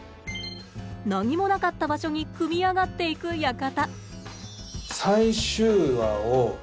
何もなかった場所に組み上がっていく館。